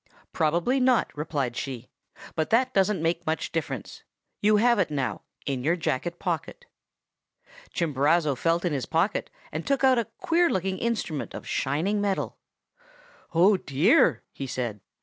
"'Probably not,' replied she, 'but that doesn't make much difference. You have it now, in your jacket pocket.' "Chimborazo felt in his pocket, and took out a queer looking instrument of shining metal. 'Oh, dear!' he said.